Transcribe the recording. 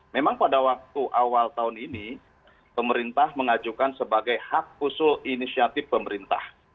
memang pada waktu awal tahun ini pemerintah mengajukan sebagai hak usul inisiatif pemerintah